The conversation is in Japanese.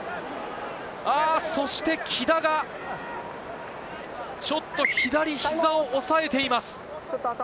そして木田がちょっと左膝をおさえています。